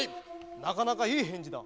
なかなかいいへんじだ。